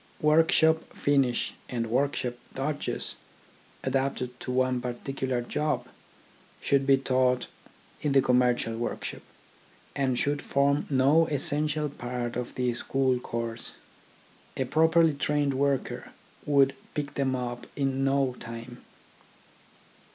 Workshop finish and workshop dodges, adapted to one particular job, should be taught in the commercial workshop, and should form no essen tial part of the school course. A properly trained worker would pick them up in no time.